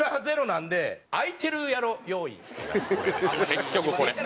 結局これ。